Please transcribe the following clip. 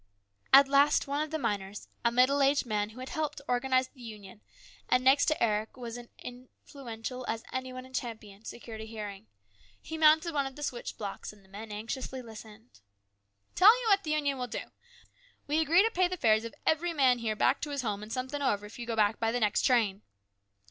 At last one of the miners, a middle aged man who had helped to organize the Union, and next to Eric was as influential as any one in Champion, secured a hearing. He mounted one of the switch blocks, and the men anxiously listened. " Tell you what the Union will do. We agree to pay the fares of every man here back to his home and something over if you go back by the next train."